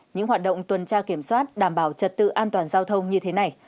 những hoạt động tuần tra kiểm soát đảm bảo trật tự an toàn giao thông như thế này